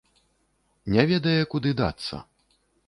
Не ведае, куды дацца.